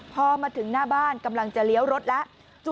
พอมาถึงหน้าบ้านกำลังจะเลี้ยวรถแล้ว